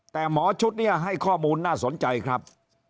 แต่หมอชุดนี้ให้ข้อมูลน่าสนใจครับ